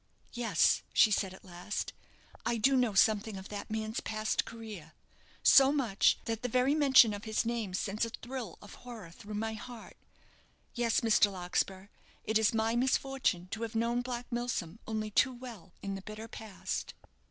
"Yes," she said, at last, "I do know something of that man's past career; so much, that the very mention of his name sends a thrill of horror through my heart. Yes, Mr. Larkspur, it is my misfortune to have known Black Milsom only too well in the bitter past."